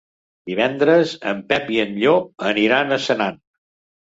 Divendres en Pep i en Llop aniran a Senan.